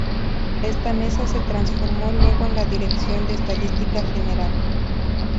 Esta Mesa se transformó luego en la Dirección de Estadística General.